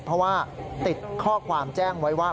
เพราะว่าติดข้อความแจ้งไว้ว่า